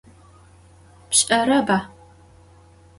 Pş'ereba?